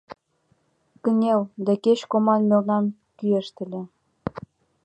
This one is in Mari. Кынел, да кеч коман мелнам кӱэшт ыле.